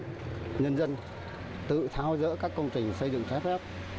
cho nhân dân tự thao dỡ các công trình xây dựng phép phép